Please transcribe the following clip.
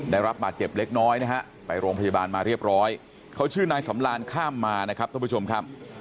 ได้รับบาดเจ็บเล็กน้อยนะฮะไปโรงพยาบาลมาเรียบร้อยเขาชื่อนายสำรานข้ามมานะครับท่านผู้ชมครับ